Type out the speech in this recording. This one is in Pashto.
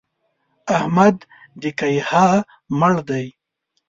احمد د کيها مړ دی!